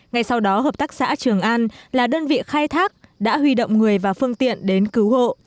ngay sau đó hợp tác xã trường an là đơn vị khai thác đã huy động người và phương tiện đến cứu hộ